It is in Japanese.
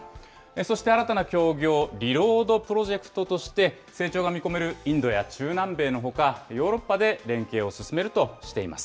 そして新たな協業、リロードプロジェクトとして、成長が見込めるインドや中南米のほか、ヨーロッパで連携を進めるとしています。